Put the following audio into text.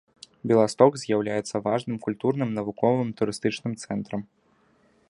Беласток з'яўляецца важным культурным, навуковым, турыстычным цэнтрам.